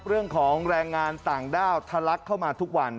เรื่องของแรงงานต่างด้าวทะลักเข้ามาทุกวัน